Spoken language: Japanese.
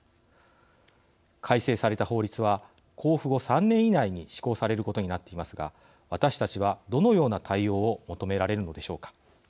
改正された法律は公布後３年以内に施行されることになっていますが私たちはどのような対応を求められるのでしょうか。